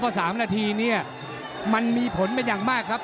เพราะ๓นาทีเนี่ยมันมีผลเป็นอย่างมากครับ